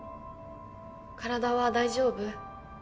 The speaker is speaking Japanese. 「体は大丈夫？」